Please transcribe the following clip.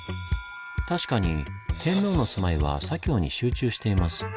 確かに天皇の住まいは左京に集中しています。